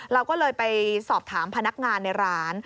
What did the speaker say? เราก็เลยไปสอบถามพนักงานในร้าน